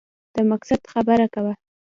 د مقصد خبره کوه !